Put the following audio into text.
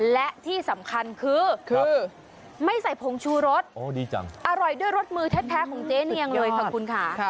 และที่สำคัญคือไม่ใส่ผงชูรสอร่อยด้วยรสมือแท้ของเจ๊เนียงเลยค่ะคุณค่ะ